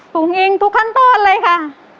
ลุงอิงทุกขั้นตอนเลยค่ะ